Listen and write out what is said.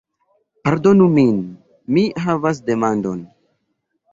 Pardonu min, mi havas demandon